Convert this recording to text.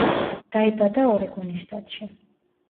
დაიბადა ორეგონის შტატში.